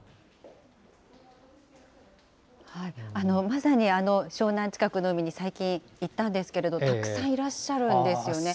まさに湘南近くの海に最近、行ったんですけれど、たくさんいらっしゃるんですよね。